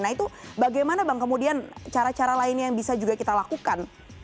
nah itu bagaimana bang kemudian cara cara lainnya yang bisa juga kita lakukan